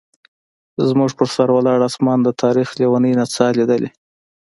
زموږ پر سر ولاړ اسمان د تاریخ لیونۍ نڅا لیدلې.